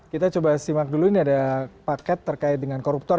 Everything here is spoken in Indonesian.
kita coba simak dulu ini ada paket terkait dengan koruptor